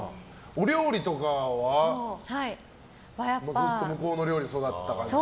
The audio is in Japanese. お料理とかは、ずっと向こうの料理で育った感じ？